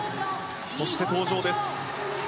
そして登場です。